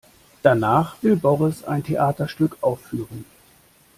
Danach will Boris ein Theaterstück aufführen.